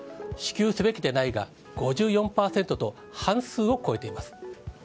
支給すべきでないが５４％と半数を超えています。